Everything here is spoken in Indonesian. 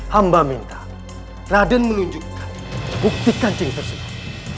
hamba minta raden menunjukkan bukti kancing tersebut